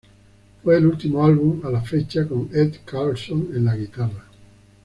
Fue el último álbum, a la fecha, con Ed Carlson en la guitarra.